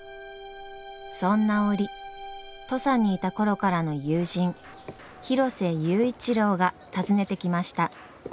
そんな折土佐にいた頃からの友人広瀬佑一郎が訪ねてきました。